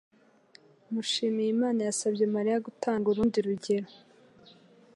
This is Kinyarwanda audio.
Mushimiyimana yasabye Mariya gutanga urundi rugero.